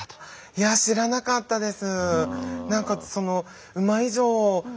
いや知らなかったです。